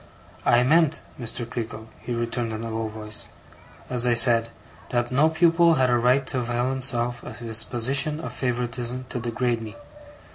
'I meant, Mr. Creakle,' he returned in a low voice, 'as I said; that no pupil had a right to avail himself of his position of favouritism to degrade me.